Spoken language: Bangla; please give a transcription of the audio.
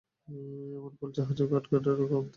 এখন পাল-জাহাজেও কাঠ-কাঠরা কম, তিনিও লৌহনির্মিত।